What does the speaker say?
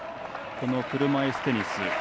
この車いすテニス。